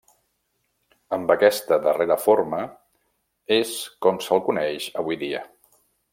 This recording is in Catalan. Amb aquesta darrera forma és com se'l coneix avui dia.